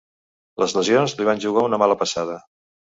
Les lesions li van jugar una mala passada.